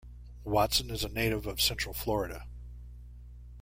Watson is a native of Central Florida.